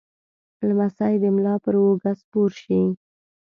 لمسی د ملا پر اوږه سپور شي.